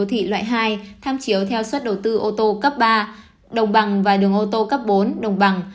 đô thị loại hai tham chiếu theo suất đầu tư ô tô cấp ba đồng bằng và đường ô tô cấp bốn đồng bằng